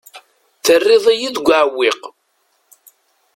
Terriḍ-iyi deg uɛewwiq.